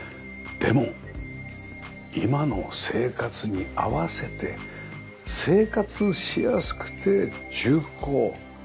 でも今の生活に合わせて生活しやすくて重厚。